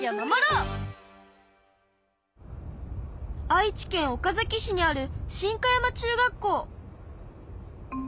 愛知県岡崎市にある新香山中学校。